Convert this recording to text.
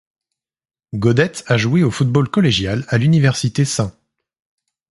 Gaudette a joué au football collégial à l'Université St.